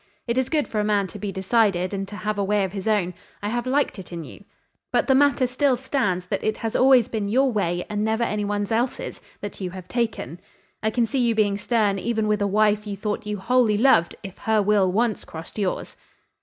It is good for a man to be decided and to have a way of his own: I have liked it in you. But the matter still stands that it has always been your way and never any one's else that you have taken. I can see you being stern even with a wife you thought you wholly loved if her will once crossed yours."